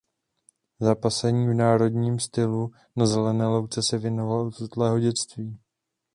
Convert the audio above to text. Zápasení v národním stylu na zelené louce se věnoval od útlého dětství.